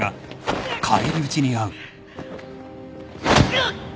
うっ。